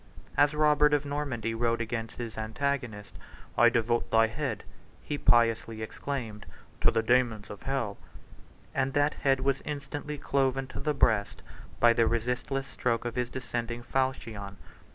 As Robert of Normandy rode against his antagonist, "I devote thy head," he piously exclaimed, "to the daemons of hell;" and that head was instantly cloven to the breast by the resistless stroke of his descending falchion.